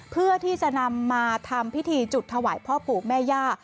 เพื่อที่จะนำมาทำพิธีจุดถวายพ่อปู่แม่ย่า